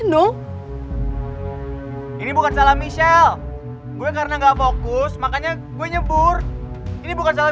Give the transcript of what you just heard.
nu ini bukan salah michelle gue karena nggak fokus makanya gue nyebur ini bukan salah